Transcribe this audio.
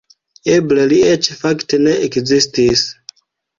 Eble li eĉ fakte ne ekzistis.